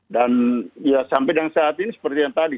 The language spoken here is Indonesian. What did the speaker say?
dan sampai saat ini seperti yang tadi